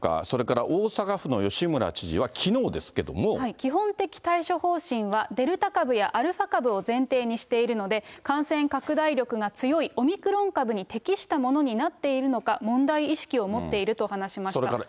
それから大阪府の吉村知事は、き基本的対処方針はデルタ株やアルファ株を前提にしているので、感染拡大力が強いオミクロン株に適したものになっているのか、問題意識を持っていると話しました。